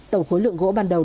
tổng khối lượng gỗ ban đầu